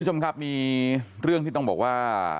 คุณผู้ชมครับมีเรื่องที่ต้องบอกว่า